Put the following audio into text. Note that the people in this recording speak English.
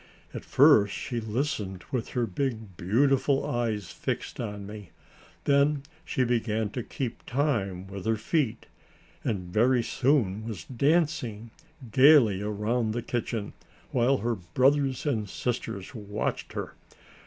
At first she listened with her big, beautiful eyes fixed on me, then she began to keep time with her feet, and very soon was dancing gayly round the kitchen, while her brothers and sisters watched her.